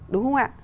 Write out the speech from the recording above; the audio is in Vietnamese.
đúng không ạ